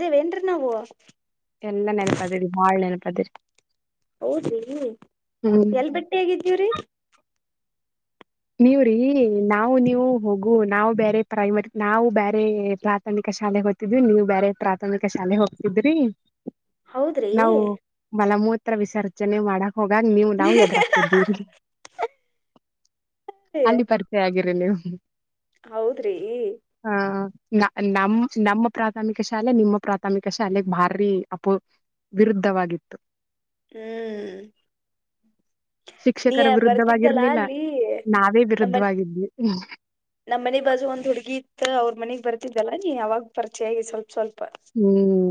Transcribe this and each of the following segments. ರೀ ವೆಂಟ್ರಾವು ಎಲ್ಲ ನೆನಪಾದರೀ ಬಾಳ ನೆನಪಾದರೀ ಹೌದಿ ಎಲ್ ಭೇಟಿ ಹೇಗಿದ್ದೀವ್ರಿ ನೀವ್ರೀ ನಾವು ನೀವು ಹೋಗು ನಾವು ಬೇರೆ ಪ್ರೈಮರಿ ನಾವು ಬೇರೆ ಪ್ರಾಥಮಿಕ ಶಾಲೆ ಹೋಗ್ತಿದ್ವಿ ನೀವು ಬೇರೆ ಪ್ರಾಥಮಿಕ ಶಾಲೆ ಹೋಗ್ತಿದ್ರಿ ಹೌದ್ರಿ ನಾವು ಮಲಮೂತ್ರ ಹತ್ರ ವಿಸರ್ಜನೆ ಮಾಡಕ್ ಹೋಗಾಗ ನೀವು ನಾವು ಎದ್ರಾಗ್ತಿದ್ದೀವಿ ಅಲ್ಲಿ ಪರಿಚಯಾ ಆಗಿದ್ದು ನೀವು ಹೌದ್ರಿ ನಮ್ಮ್ ನಮ್ಮ ಪ್ರಾಥಮಿಕ ಶಾಲೆ ನಿಮ್ಮ ಪ್ರಾಥಮಿಕ ಶಾಲೆೆಗೆ ಭಾರಿ ಅಪ ವಿರುದ್ಧವಾಗಿತ್ತು ಹ್ಮ್ ನೀ ಶಿಕ್ಷಕರ ಬರ್ತಿದ್ದಲಾ ವಿರುದ್ಧವಾಗಿರ್ಲಿಲ್ಲ ಅಲ್ಲಿ ನಾವೇ ನಮ್ಮನ್ ವಿರುದ್ಧವಾಗಿದ್ವಿ ನಮ್ನೆ ಬಜು ಒಂದ್ ಹುಡ್ಗಿ ಇತ್ತು ಅವ್ರ ಮನಗ್ ಬರ್ತ ಲ್ಲ ನೀ ಅವಾಗ ಪರಿಚಯಾಗಿ ಸ್ವಲ್ಪ ಸ್ವಲ್ಪ ಹ್ಮ್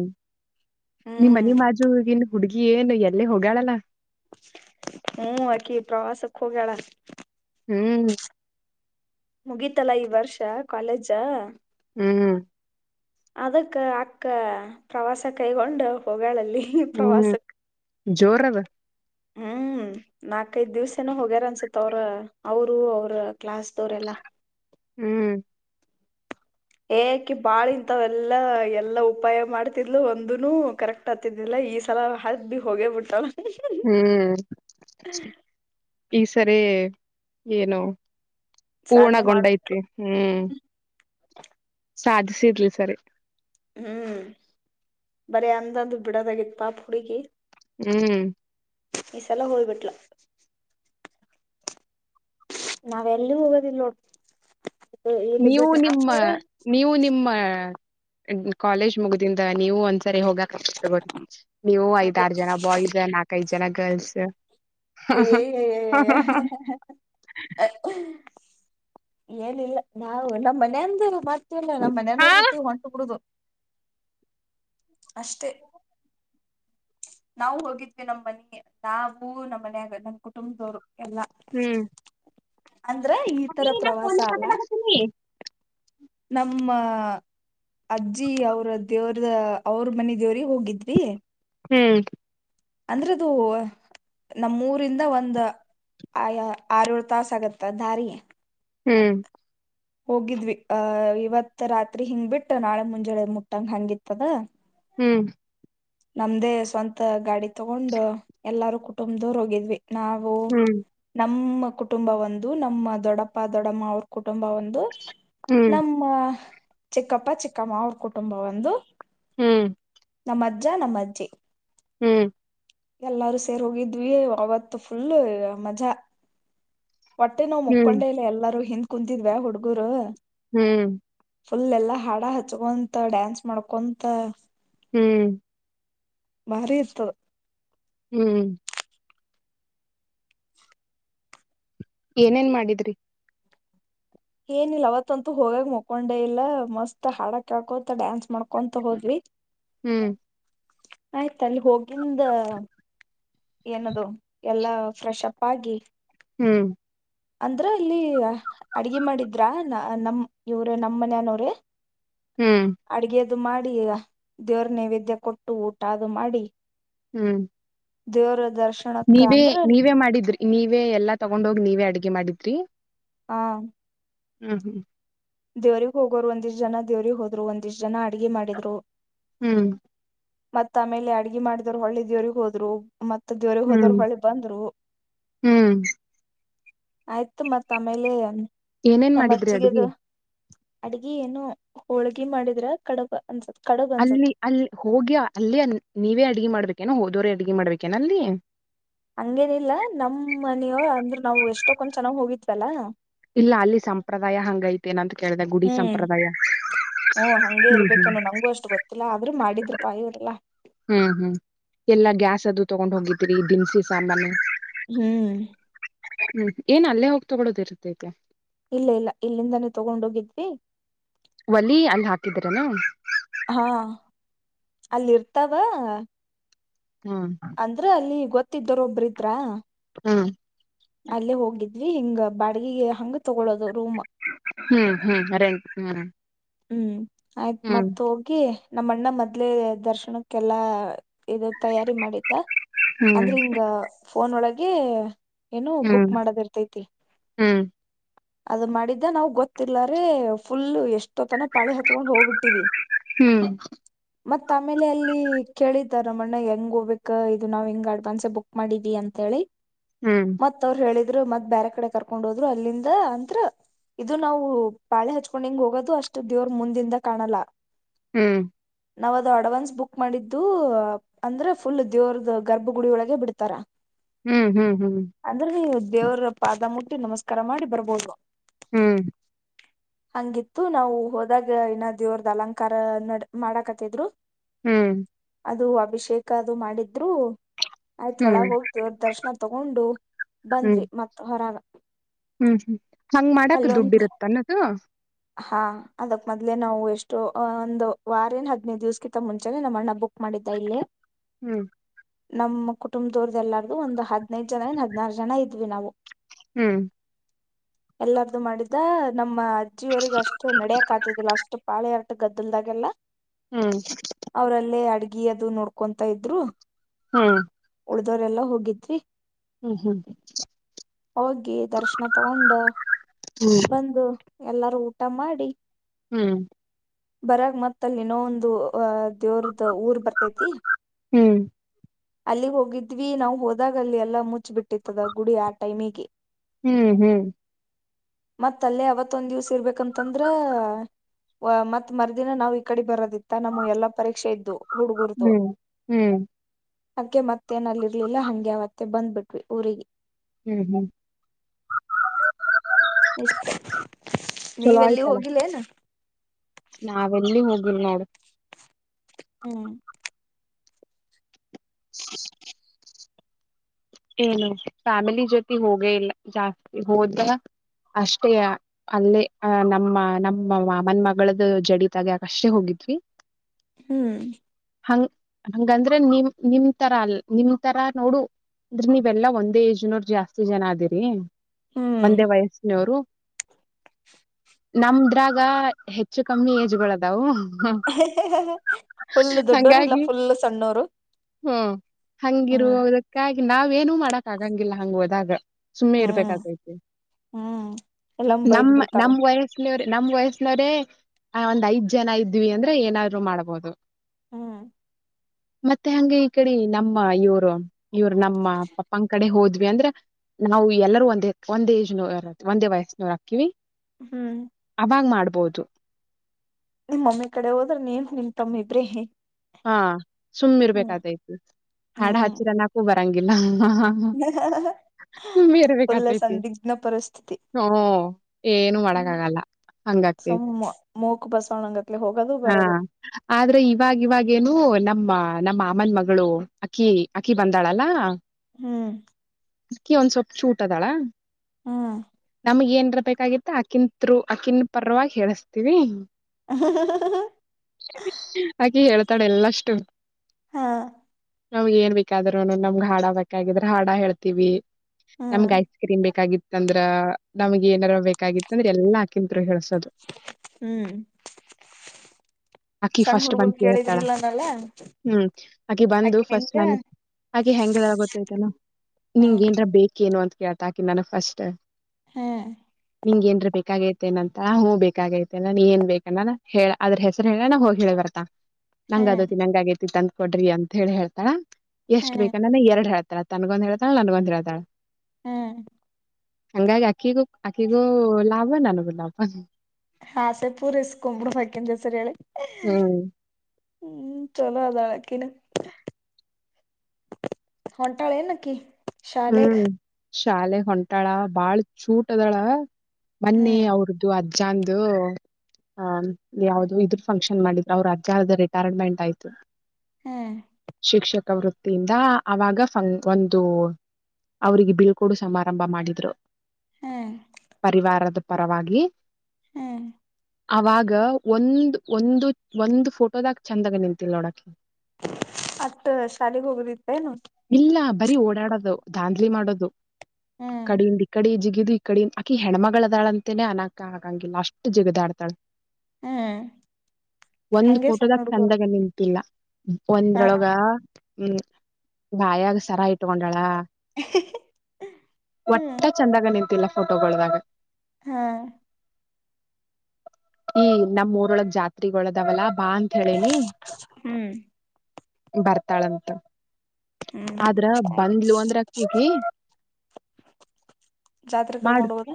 ನಿಮ್ಮ ಹ್ಮ್ ಮನೆ ಬಾಜು ಹುಡ್ಗಿ ಏನು ಎಲ್ಲೇ ಹೋಗಾಳಲ್ಲ ಹ ಹಾಕಿ ಪ್ರವಾಸಕ ಹೊಗ್ಯಾಳ ಹ್ಮ್ ಮುಗೀತಲ್ಲಾ ಈ ವರ್ಷ ಕಾಲೇಜ ಹ್ಮ್ ಅದಕ್ಕ ಅಕ್ಕ ಪ್ರವಾಸ ಕೈಗೊಂಡ ಹೋಗಳ್ ಅಲ್ಲಿ ಹ್ಮ್ ಪ್ರವಾಸಕ್ಕ ಜೋರದ ಹ್ಮ್ ನಾಕೈದ್ ದಿವ್ಸ ಏನ ಹೋಗ್ಯಾರ ಅನ್ಸತ್ ಅವ್ರ ಅವರು ಅವ್ರ ಕ್ಲಾಸ್ದವ್ರೆಲ್ಲಾ ಹ್ಮ್ ಏಕಿ ಬಾಳ ಇಂತಾವ ಎಲ್ಲಾ ಎಲ್ಲಾ ಉಪಾಯ ಮಾಡ್ತಿದ್ಲು ಒಂದನು ಕರೆಕ್ಟ್ ಆತಿದಿಲ್ಲ ಈ ಸಲ ಹದ್ ಬಿ ಹೋಗೇ ಬಿಟ್ಟಾಳ ಹ್ಮ್ ಈಸಲಿ ಸರಿ ಏನು ಸಾಧನೆ ಮಾಡ್ಬಿಟ್ಲು ಪೂರ್ಣಗೊಂಡೈತಿ ಹ್ಮ್ ಸಾಧಿಸಿರ್ಲಿ ಸರಿ ಹ್ಮ್ ಬರಿ ಅಂದಂದು ಬಿಡದಾಗಿತ್ ಪಾ ಹುಡುಗಿ ಹ್ಮ್ ಈ ಸಲ ಹೋಯ್ಬಿಟ್ಲು ನಾವೆಲ್ಲಿಗೂ ಹೋಗೋದಿಲ್ ನೋಡ್ ಇಲ್ಲಿ ನೀವು ಬಿಟ್ರ ನಿಮ್ಮ ನಮ್ಕೂರ ನೀವು ನಿಮ್ಮ ಆ ಕಾಲೇಜ್ ಮುಗ್ದಿಂದ ನೀವು ಒಂದ್ಸರಿ ಹೋಗಕ್ [unintelligible] ನೀವು ಅದೇ ಐದಾರ್ ಜನ ಬಾಯ್ಸ ನಾಕೈದ್ ಜ ಜನ ಗರ್ಲ್ಸು ಅಯ್ಯಯ್ಯಯ್ಯಯ್ಯ [unintelligible] ಏನಿಲ್ಲ ನಾವು ನಮ್ಮ್ ಮನ್ಯಾಂದರು ಮಾಡ್ತೀವಲ್ಲ ನಮ್ಮ್ ಹಾ ಮನ್ಯಾನೋರ್ ಜೊತೆ ಹೊಂಟ ಬಿಡದು ಅಷ್ಟೇ ನಾವು ಹೋಗಿದ್ವಿ ನಮ್ ಮನಿಗೆ ನಾವು ನಮ್ಮ್ ಮನ್ಯಾಗ ನಮ್ ಕುಟುಂಬ್ದೋರು ಎಲ್ಲ ಹ್ಮ್ ಅಂದ್ರೆ ಈ ಹ್ಮ್ ತರ ಪ್ರವಾಸ ಅಲ್ಲ ನಮ್ಮ ಅಜ್ಜಿ ಅವ್ರ ದೇವ್ರದ ಅವ್ರ್ ಮನಿ ದೇವ್ರಿಗ್ ಹೋಗಿದ್ವಿ ಹ್ಮ್ ಅಂದ್ರೆ ಅದು ನಮ್ಮೂರಿಂದ ಒಂದ ಆ ಯ ಆರ್ಯೋಳ್ ತಾಸ್ ಆಗತ್ತ ದಾರಿ ಹ್ಮ್ ಹೋಗಿದ್ವಿ ಆ ಇವತ್ ರಾತ್ರಿ ಹಿಂಗ್ ಬಿಟ್ ನಾಳೆ ಮುಂಜಳೆ ಮುಟ್ಟಂಗ್ ಹಂಗಿತ್ತದ ಹ್ಮ್ ನಮ್ದೇ ಸ್ವಂತ ಗಾಡಿ ತಗೊಂಡು ಎಲ್ಲಾರೂ ಕುಟುಂಬ್ದೋರ್ ಹೋಗಿದ್ವಿ ನಾವು ನಮ್ಮ ಕುಟುಂಬ ಒಂದು ನಮ್ಮ ದೊಡ್ಡಪ್ಪ ದೊಡಮ್ಮ ಅವ್ರ್ ಕುಟ್ ಟುಂಬ ಒಂದು ಹ್ಮ್ ನಮ್ಮ ಚಿಕ್ಕಪ್ಪ ಚಿಕ್ಕಮ್ಮ ಅವ್ರ್ ಕುಟುಂಬ ಒಂದು ಹ್ಮ್ ನಮ್ಮದ್ ಜ್ಜಾ ನಮ್ ಅಜ್ಜಿ ಹ್ಮ್ ಎಲ್ಲಾರು ಸೇರ್ ಹೋಗಿದ್ವಿ ಅವತ್ತು ಫುಲ್ ಮಜಾ ಹೊಟ್ಟೆ ನೋವು ಮುಕ್ಕೊಂಡೆ ಇಲ್ಲ ಎಲ್ಲರೂ ಹಿಂದ್ ಕುಂತಿದ್ವ ಹುಡುಗುರು ಹ್ಮ್ ಫುಲ್ ಎಲ್ಲಾ ಹಾಡ ಹಚ್ಕೊಂತ ಡ್ಯಾನ್ಸ್ ಮಾಡ್ಕೊಂತ ಹ್ಮ್ ಭಾರಿ ಇರ್ತದ್ ಹ್ಮ್ ಏನೇನ್ ಮಾಡಿದ್ರಿ ಏನಿಲ್ಲ ಅವತ್ತಂತೂ ಹೋಗಾಗ್ ಮಕ್ಕೊಂಡೆ ಇಲ್ಲ ಮಸ್ತ್ ಹಾಡಕ್ ಕ್ಯಾಳ್ಕೋತ ಡ್ಯಾನ್ಸ್ ಮಾಡ್ಕೊಂತ ಹೋದ್ವಿ ಹ್ಮ್ ಆಯ್ತ್ ಅಲ್ಲಿ ಹೋಗಿಂದ ಏನದು ಎಲ್ಲಾ ಫ್ರೆಶ್ ಅಪ್ ಆಗಿ ಹ್ಮ್ ಅಂದ್ರ ಇಲ್ಲಿ ಅಡಗೆ ಮಾಡಿದ್ರಾ ನಮ ಇವ್ರ ನಮ್ಮ್ ಮನೇಯನವ್ರ ಹ್ಮ್ ಅದು ಮಾಡಿ ದೇವ್ರಗೆ ನೈವೇದ್ಯ ಕೊಟ್ಟು ಊಟ ಅದು ಮಾಡಿ ಹ್ಮ್ ದೇವರ ನೀವೇ ನೀವೇ ಮಾಡಿದ್ರಿ. ನೀವೇ ಎಲ್ಲಾ ತಗೊಂಡೋಗಿ ನೀವೇ ಅಡ್ಗೆ ಮಾಡಿದ್ರಿ. ಹಾ. ಹ್ಮ್ ಹ್ಮ್. ದೇವ್ರಗ್ ಹೋಗೋರು ಒಂದಿಷ್ಟು ಜನ ದೇವ್ರರಿಗೆ ಹೋದ್ರು ಒಂದಿಷ್ಟ ಜನ ಅಡಗೆ ಮಾಡಿದ್ರು. ಹ್ಮ್. ಮತ್ ಆಮೇಲೆ ಅಡ್ಗೆ ಮಾಡಿದವರು ಹೊಳ್ಳಿ ದೇವ್ರಿಗ ಹೋದ್ರು. ಮತ್ತೆ ದೇವ್ರಿಗೆ ಹ್ಮ್ ಹೋದರು ಹೊಳ್ಳಿ ಬಂದ್ರು. ಹ್ಮ್ ಆಯ್ತು ಮತ್ ಆಮೇಲೆ. ಏನೇನ್ ನಮ್ಮ್ ಮಾಡಿದ್ರಿ ಅಡಿಗಿ. ಅಜ್ಜಿಗೆದು ಅಡ್ಗಿ ಏನು ಹೋಳ್ಗಿ ಮಾಡಿದ್ರ ಕಡಬ ಅನ್ಸುತ್ತ. ಅಲ್ಲಿ ಅಲ್ಲಿ ಹೋಗಿ ಅಲ್ಲಿ ನೀವೇ ಅಡ್ಗೆ ಮಾಡ್ಬೇ ಏನೋ ಹೋದೋರೆ ಅಡ್ಗೆ ಮಾಡ್ಬೇಕೇನ ಅಲ್ಲಿ. ಹಂಗೇನಿಲ್ಲ ನಮ್ಮ್ ಮನೆಯ ಅಂದ್ರ ನಾವು ಎಷ್ಟೊಕ್ಕೊಂದ ಚೆನಾ ಹೋಗಿದ್ವಲ್ಲಾ. ಇಲ್ಲ ಅಲ್ಲಿ ಸಂಪ್ರದಾಯ ಹಂಗೈತೆ ಏನಂತ ಕೇಳಿದೆ ಗುಡಿ ಹ್ಮ್ ಸಂಪ್ರದಾಯ ಹ್ಮ್ ಹಂಗೆ ಹ್ಮ ಹ ಇರ್ಬೇಕೇನೋ ನಂಗೂ ಅಷ್ಟು ಗೊತ್ತಿಲ್ಲ ಆದ್ರೂ ಮಾಡಿದ್ರಪಾ ಇವ್ರೆಲ್ಲಾ ಹ್ಮ್ ಹ್ಮ್ ಎಲ್ಲ ಗ್ಯಾಸ್. ದು ತಗೊಂಡ್ ಹೋಗಿದೀರಿ ದಿನ್ಸಿ ಸಾಮಾನು. ಹ್ಮ್. ಹ್ಮ್ ಏನ್ ಅಲ್ಲೇ ಹೋಗ್ ತೊಗೊಳ್ಳೋದಿರುತ್ತ [unintelligible] ಇಲ್ಲ ಇಲ್ಲ ಇಲ್ಲಿಂದಾನೇ ತಗೊಂಡೋಗಿದ್ವಿ. ಒಲಿ ಅಲ್ಲಿ ಹಾಕಿದ್ರೆನ. ಹಾ ಅಲ್ಲಿರ್ತಾವ. ಹ್ಮ್ ಅಂದ್ರೆ ಅಲ್ಲಿ ಗೊತ್ ತ್ತಿದ್ದರೊಬ್ಬ ಇದ್ರ. ಹ್ಮ್. ಅಲ್ಲೇ ಹೋಗಿದ್ವಿ ಹಿಂಗ ಬಾಡಿಗಿಗ ಹಂಗ ತಗೊಳೋದು. ರೂಮ್ ಹ್ಮ್ ಹ್ಮ್ ರೆಂಟ್. ಹ್ಮ ಹ್ಮ್ ಆಯ್ತ್ ಮತ್ ಹೋಗಿ. ನಮ್ಮ ಅಣ್ಣ ಮದ್ಲೇ ದರ್ಶನಕ್ಕೆಲ್ಲಾ ಇದು ತಯಾರಿ ಮಾಡಿ ದ ಹ್ಮ್ ಅಂದ್ರೆ ಹಿಂಗ. ಫೋನ್ ಒಳಗೆ. ಏನೋ ಬುಕ್ ಹ್ಮ್ ಮಾಡೋದ ಇರ್ತೈತಿ. ಹ್ಮ್ ಅದ್ ಮಾಡಿದ್ದ ನಾವ್ ಗೊತ್ತಿರ್ಲ್ಲಾರ ಫುಲ್ ಎಷ್ಟ ಷ್ಟೋ ತನ ಪಾಳಿ ಹತ್ಕೊಂಡ್ ಹೋಗ್ಬಿಟ್ಟೀವಿ. ಹ್ಮ್ ಮತ್ತ ಆಮೇಲೆ ಅಲ್ಲಿ ಕೇಳಿದ್ದಾರಮಣ್ಣ ಹೆಂಗ್ ಹೋಗ್ಬೇಕ ಇದು ನಾವ್ ಹಿಂಗ ಅಡ್ವಾನ್ಸ ಬುಕ್ ಮಾಡಿದೀವಿ ಅಂತೇಳಿ. ಹ್ಮ್ ಮತ್ತ ಅವ್ರು ಹೇಳಿದ. ಇದ್ರ ಮತ್ತ ಬೇರೆ ಕಡೆ ಕರ್ಕೊಂಡ್ ಹೋದ್ರು ಅಲ್ಲಿಂದ ಅಂತ್ರ ಇದು ನಾವು ಪಾಳೆ ಹಚ್ಕೊಂಡ್ ಹಿಂಗ್ ಹೋಗೋದು ಅಷ್ಟ. ಅಷ್ಟು ದೇವ್ರ ಮುಂದಿಂದ ಕಾಣಲ್ಲ ಹ್ಮ್ ನಾವ್ ಅದು ಅಡ್ವಾನ್ಸ್ ಬುಕ್ ಮಾಡಿದ್ದು ಅಂದ್ರೆ ಫುಲ್ ದೇವ್ರದ ಗರ್ಭಗುಡಿ ಒಳಗೆ ಬಿಡ್ತಾರ. ಹ್ಮ್ ಹ್ಮ್ ಹ್ಮ್ ದೇವರು ಪಾದ ಮುಟ್ಟಿ ನಮಸ್ಕಾರ ಮಾಡಿ ಬರ್ಬೋದು. ಹ್ಮ್ ಹಂಗಿತ್ತು ನಾವು ಹೋದಾಗ ಇನ್ನ ದೇವ್ರದ ಅಲಂಕಾರ ನ ಮಾಡಕತ್ತಿದ್ರು. ಹ್ಮ್ ಅದು ಅಭಿಷೇಕ ಅದು ಮಾಡಿದ್ರು. ಆಯ್ತ ಒಳಗ ಹ್ಮ್ ಹೋಗಿ ದೇವ್ರ ದರ್ಶನ ತಗೊಂಡು ಬಂದ್ವಿ ಮತ್ ಹೊರಗ. ಹ್ಮ್ ಹ್ಮ್ ಹಂಗ್ ಮಾಡಾಕ್ ದುಡ್ಡು ಅಲ್ಲೊಂದ್ ಇರುತ್ತ ಎನ್ ಅನ್ನದು. ಹಾ ಅದಕ್ ಮದ್ಲೆ ನಾವು ಎಷ್ಟೋ ಒಂದು ವಾರ ಏನ್ ಹದ್ನೈದು ದಿವ್ಸಕಿಂತ ಮುಂಚೆ ನಮ್ಮ ಅಣ್ಣ ಬುಕ್. ಮಾಡಿದ್ದಾ ಇಲ್ಲೇ. ಹ್ಮ್ ನಮ್ಮ ಕುಟುಂಬದವ್ರ್ದ ಎಲ್ಲಾರ್ದು ಒಂದು ಹೆಡ್ನೈಡು ಜನ ಏನ ಹದ್ನಾರು ಜನ ಇದ್ವಿ ನಾವು. ಹ್ಮ್ ಎಲ್ಲಾರ್ದು ಮಾಡಿದ್ದ ನಮ್ಮ. ಅಜ್ಜಿಯವರಿಗ ಅಷ್ಟು ನಡೆಯಾಕ್ ಅತಿದಿಲ್ಲ ಅಷ್ಟು ಪಾಳೆ ಅಲ್ಲಿ. ಗದ್ದಲ್ದಾಗೆಲ್ಲ. ಹ್ಮ್ ಅವ್ರಲ್ಲೇ ಅಡಗಿ. ಅಡಗಿ ಅದು ನೋಡ್ಕೊಂತಾ ಇದ್ರು. ಹ್ಮ ಉಳ್ದವರೆಲ್ಲಾ ಹೋಗಿದ್ವಿ ಹ್ಮ್ ಹೋಗಿ ದರ್ಶನ ತಗೊಂಡ ಬಂದು. ಎಲ್ಲಾರು ಊಟ ಮಾಡಿ. ಹ್ಮ್ ಬರಾಗ ಮತ್ತಲ್ಲಿ ಇನ್ನ ಒಂದು ಅ ದೇವ್ರ್ದ ಊರ್ ಬರ್ತೈತಿ. ಅಲ್ಲಿ ಹೋಗಿದ್ವಿ ನಾವು ಹೋದಾಗ ಅಲ್ಲಿ ಎಲ್ಲ ಮುಚ್ಬಿಟ್ಟಿತ್ತದ ಗುಡಿ ಆ ಟೈಮಿಗೆ. ಹ್ಮ್ ಹ್ಮ್ ಮತ್ತಲ್ಲೇ ಅವತ್ತು ಇತ್ತೊಂದ್ ದಿವ್ಸ ಇರ್ಬೇಕಂತಂದ್ರ ಮತ್ ಮರ್ದಿನ ನಾವ್ ಇ ಕಡೆ ಬರೋದಿತ್ತ ನಮ್ ಎಲ್ಲಾ ಪರೀಕ್ಷೆ ಇದ್ದು. ಹುಡುಗುರ್ದು ಹ್ಮ್ ಹ್ಮ್ ಅದ್ಕೆ ಮತ್ತೇನಲ್ಲಿರ್ಲಿಲ್ಲ ಹಂಗೆ ಅವತ್ತೆ ಬಂದ್ಬಿಟ್ವಿ ಊರಿಗೆ. ಹ್ಮ್ ಹ್ಮ್ ಎಷ್ಟ ನೀವ ಎಲ್ಲಿ ಹೋಗಿಲ್ಲೆನ. ನಾವ ಎಲ್ಲಿ ಹೋಗಿಲ್ ನೋಡ. ಹ್ಮ್ [unintelligible] ಏನು ಫ್ಯಾಮಿಲಿ ಜೊತೆ ಹೋಗೇ ಇಲ್ಲ ಜಾಸ್ತಿ ಹೋದ ಅಷ್ಟೇ ಅಲ್ಲೇ ಅ ನಮ್ಮ ನಮ್ಮ ಮಾಮನ್ ಮಗಳ್ದ ಜಡಿ ತಗ್ಯಾಕಷ್ಟೇ ಹೋಗಿದ್ವಿ. ಹ್ಮ್ ಹಂಗ ಹಂಗಂದ್ರೆ ನಿಮ ನಿಮ ತರ ಅಲ್ ನಿಮ ತರ ನೋಡು ಅಂದ್ರ ನೀವೆಲ್ಲಾ ಒಂದೇ ಏಜ್ನೋರ್ ಜಾಸ್ತಿ ಜನ ಅದಿರಿ. ಹ್ಮ್ ಒಂದೇ ವಯಸ್ಸಿನವರು. ನಮ್ದ್ರಾಗ ಹೆಚ್ಚು ಕಮ್ಮಿ ಏಜಗೋಳ್ ಅದಾವು. ಹೇ ಹೇ ಹೇ ಫುಲ್ ದೊಡ್ಡೋರು ಇಲ್ಲ ಹಂಗಾಗಿ ಫುಲ್ ಸಣ್ಣೋರು. ಹ್ಮ್ ಹ್ಮ್ ಹಂಗಿರುವುದಕ್ಕಾಗಿ ನಾವ ಏನು ಮಾಡಕ್ ಆಗಂಗಿಲ್ಲ ಹಂಗ ಹೋದಾಗ. ಸುಮ್ಮನೆ ಹ್ಮ್ ಇರ್ಬೇಕಕಾಕೈತಿ ಹ್ಮ್ ಎಲ್ಲಮ್ ಬೈದ್ ನಮ್ಮ ಬಿಡ್ತಾರ ನಮ ವಯಸ್ಸಿನವ್ರ ನಮ್ ವಯಸ್ಸನವ್ರೇ ಆ ಒಂದ್ ಐದ್ ಜನ ಇದ್ವಿ ಅಂದ್ರೆ ಏನಾದ್ರು ಮಾಡ್ಬೋದು. ಹ್ಮ್ ಮತ್ತೆ ಹಂಗೆ ಈ ಕಡೆ ನಮ್ಮ ಇವರು ಇವರು ನಮ್ಮ ಪಪ್ಪನ್ ಕಡೆ ಹೋದ್ ಅಂದ್ರೆ ನಾವು ಎಲ್ಲರೂ ಒಂದೇ ಒಂದ ಏಜ್ನ ಒಂದೇ ವಯಸ್ಸನವರ ಆಗ್ತೀವಿ. ಹ್ಮ್ ಮಾಡ್ಬೋದು. ನಿಮ್ಮ ಮಮ್ಮಿ ಕಡೆ ಹೋದ್ರೆ ನೀನ್ ನಿಮ್ ತಮ್ಮಿ ಇಬ್ರೇ ಹೇ ಹಾ ಸುಮ್ಮ್ ಇರ್ಬೇಕಾತೈತಿ ಹಾಡಾ ಹ್ಮ್ ಹಚ್ಚಿರ ಅನಾಕು ಬರ ತಂಗಿಲ್ಲಾ ಹ ಹ ಹ ಫುಲ್ ಇರ್ಬೇಕತೈತಿ ಸಂದಿಗ್ನ ಪರಿಸ್ಥಿತಿ ಹ ಏನು ಮಾಡಕ್ ಹ್ಮ್ ಆಗಲ್ಲ ಹಂಗ ಸುಮ್ ಆಗ್ತೈತಿ ಮೂಕ್ ಬಸವಣಂಗತ್ಲೆ ಹೋಗೋದು ಹಾ ಬರೋದು ಆದ್ರೆ ಇವಾಗ ಇವಾಗ [unintelligible] ನಮ್ಮ ಮಾಮನ್ ಮಗಳು ಅಕ್ಕಿ ಅಕ್ಕಿ ಬಂದಾಳಲ್ಲಾ ಹ್ಮ್ ಅಕಿ ಒಂದ ಸ್ವಲ್ಪ ಚೂಟದಾಳ. ಹ್ಮ್ ನಮಗೆನ ಬೇಕಾಗಿತ್ತ ಅಕಿನ್ತ್ರು ಅಕ್ಕಿನ ಪರವಾಗಿ ಹೇಳಿಸ್ತೀವಿ. ಅಕಿ ಹೇಳ್ ತಡೆ ಎಲ್ಲಷ್ಟು ಹಾ ನಮ್ಗ್ ಏನ್ ಬೇಕಾದ್ರು ನಮ್ಗ್ ಹಾಡಾ ಬೇಕಾಗಿದ್ರ ಹಾಡ ಹೇಳ್ತೀವಿ. ಹ್ಮ್ ನಮ್ಗ್ ಐಸ್ ಕ್ರೀಮ್ ಬೇಕಾಗಿತ್ತ ಅಂದ್ರ ನಮ್ಗೆ ಏನಾರ ಬೇಕಾಗಿತ್ತ ಅಂದ್ರ ಎಲ್ಲಾ ಅಕಿ [unintelligible] ಹ್ಮ್ ಅಕಿ ಸಣ್ಣ ಫಸ್ಟ್ ಬಂದ ಹುಡುಗರು ಕೇಳ್ತ್ ಕೇಳಿದ್ರಿಲ್ಲನಲ್ಲ ಹ್ಮ್ ಅಕಿ ಬಂದು ಫಸ್ಟ್ ಆಕಿನಿಂದ ನನ್ ಅಕಿ ಹೆಂಗ ಗೊತ್ತೈತೆನೋ ನಿಂಗ ಹ್ಮ್ ಏನ್ರ ಬೇಕ ಏನು ಅಂತ ಕೇಳ್ತ ಆಕಿ ನನಗ ಫಸ್ಟ್ ಹ್ಮ್ ನಿಂಗೆನ್ರಾ ಬೇಕಾಗೇ ತೆನಂತ ಹೂ ಬೇಕಾಗೈತೆೇ ಅನ್ನನ ಏನ್ ಬೇಕ ಅನ್ನನ ಹೇಳ ಅದ್ರ ಹೆಸರು ಹೇಳ ಅನ್ನನಾ ಹೋಗಿ ಹೇಳ್ ಬರ್ತಾಳ ನಂಗ್ ಹ್ಮ್ ಅದು ತಿನಂಗ ಆಗೇತಿ ತಂದ್ ಕೊಡ್ರಿ ಅಂತ ಹೇಳಿ ಹೇಳ್ತಳ ಎಷ್ಟು ಹ್ಮ್ ಬೇಕ ಅನ್ನನ ಎರಡ್ ಹೇಳ್ತಾಳ ತ ತನಗೊಂದು ಹೇಳ್ತಾಳ ನಂಗೊಂದ್ ಹೇಳ್ತಾಳ ಹ್ಮ್ ಹಂಗಾಗಿ ಆಕ್ಕಿಗೂ ಆಕಿಗೂ ಲಾಭ ನನಗೂ ಲಾಭ ಆಸೆ ಪೂರೈಸಗೊಂಡು ಬಿಡ್ಬೇಕು ಅಕಿನ್ ಹೆಸರ ಹೇಳಿ ಹ್ಮ್ ಹ್ಮ್ ಚಲೋ ಅದಾಳಕ್ಕಿನ ಹೊಂಟಾಳ ಏನಕಿ ಶಾಲೆಗ ಶಾಲೆಗ ಹೊಂಟಾಳ ಬಾಳ ಚೂಟ್ ಅದಾಳ ಮೊನ್ನೆ ಹ್ಮ್ ಅವ್ರದ್ದು ಅ ಅಜ್ಜಾಂದು ಆ ಯಾವ್ದ ಇದ್ರ ಫಂಕ್ಷನ್ ಮಾಡಿದ್ರ ಅವರು ಅಜ್ಜದ ರಿಟೈರ್ಮೆಂಟ್ ಆಯ್ತು ಹ್ಮ್ ಶಿಕ್ಷಕ ವೃತ್ತಿ ದಿಂದ ಅವಾಗ ಒಂದು ಅವ್ರಿಗೆ ಬೀಳ್ಕೊಡು ಸಮಾರಂಭ ಮಾಡಿದ್ರು ಹ್ಮ್ ಪರಿವಾರದ ಪರವಾಗಿ ಹ್ಮ್ ಅವಾಗ ಒಂದ್ ಒಂದು ಒಂದ್ ಫೋಟೋದಾಗ ಚಂದಾಗ ನಿಂತಿಲ್ಲ ನೋಡಕಿ ಅತ್ತ ಶಾಲಿಗೆ ಹೋಗದೀತ್ತ ಏನು ಬರಿ ಓಡಾಡೋದು ದಾಂಧ್ಲಿ ಮಾಡೋದು ಹ್ಮ್ ಕಡೆಯಿಂದ ಈ ಕಡೆ ಜಿಗ ಗದು ಈ ಕಡೆ ಆಕಿ ಹೆಣ್ಣ್ಮಗಳದಾಳ ಅಂತೇನೆ ಅನಕ್ಕ ಆಗಂಗಿಲ್ಲ ಅಷ್ಟು ಜಿಗದಾಡ್ತಾಳ ಹ್ಮ್ ಒಂದ ಹಂಗೆ ಸಣ್ಣ ಫೋಟೋದಾಗ ಹುಡುಗರು ಚಂದಗ ನಿಂತಿಲ್ಲ ಹಾ ಒಂದ್ರೊಳಗ ಹ್ಮ್ ಬಾಯಾಗ ಸರ ಇಟ್ಕೊಂಡಳ ಒಟ್ಟ ಹ್ಮ್ ಚಂದಗ ನಿಂತಿಲ್ಲ ಫೋಟೋಗಳ್ದಾಗ ಹಾ ಈ ನಮ್ಮೂರೊಳಗ ಜಾತ್ರೆಗಳದವಲ್ಲಾ ಬಾ ಅಂತ್ ಹೇಳೇನಿ ಹ್ಮ್ ಬರ್ತಾಳಂತ ಹ್ಮ್ ಆದ್ರ ಬಂದ್ಲು ಅಂದ್ರೆ [unintelligible] ಜಾತ್ರೆ ಮಾಡು ಕರ್ಕೊಂಡ್ ಹೋಗೋದ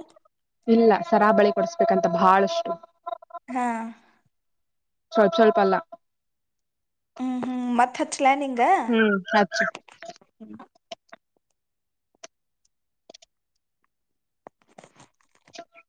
ಇಲ್ಲ ಸರಾ ಬಳಿ ಕೊಡಸ್ಬೇಕಂತ ಬಹಳಷ್ಟು. ಹಾ ಸ್ವಲ್ಪ ಸ್ವಲ್ಪ ಅಲ್ಲ. ಮಥ [unintelligible] ಕಲಾನಿಂಗ ಹ್ಮ್ ಹಚ್ಚ